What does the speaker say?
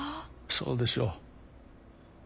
そうでしょう。